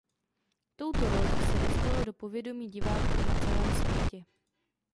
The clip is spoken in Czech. Touto rolí se dostala do povědomí diváků na celém světě.